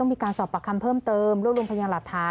มีการสอบปากคำเพิ่มเติมรวบรวมพยานหลักฐาน